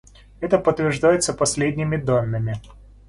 Это подтверждается последними данными.